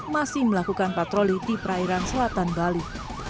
masih melakukan patroli di perairan selatan bali